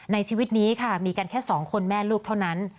ในชีวิตนี้ค่ะมีกันแค่๒คนแม่ลูกเท่านั้น